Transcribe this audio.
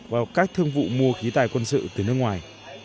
vào các thương vụ mua khí tài quân sự từ nước ngoài